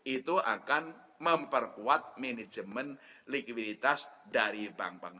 itu akan memperkuat manajemen likuiditas dari bank bank